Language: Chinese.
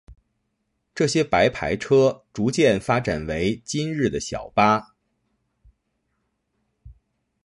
这些白牌车逐渐发展成为今日的小巴。